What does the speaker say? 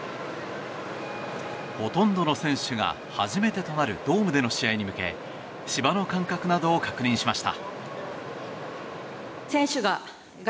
ほとんどの選手が初めてとなるドームでの試合に向け芝の感覚などを確認しました。